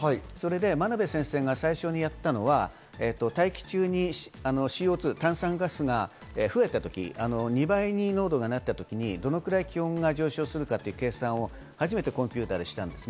真鍋先生が最初にあったのは大気中にＣＯ２、炭酸ガスが増えたとき２倍に濃度がなった時、どのくらい気温が上昇するかという計算を初めてコンピューターでしたんです。